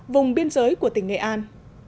vùng biên giới của tỉnh nghệ an